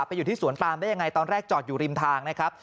อยู่ที่สวนปามได้ยังไงตอนแรกจอดอยู่ริมทางนะครับ